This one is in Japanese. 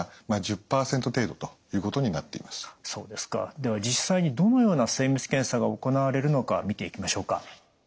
では実際にどのような精密検査が行われるのか見ていきましょうか。